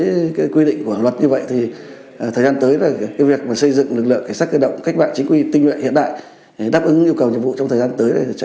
thì chúng tôi hy vọng là với cái quy định của luật như vậy thì thời gian tới là cái việc mà xây dựng lực lượng cảnh sát cơ động cách mạng chính quy tinh nguyện hiện đại để đáp ứng yêu cầu nhiệm vụ trong thời gian tới là sẽ rất là thực hiện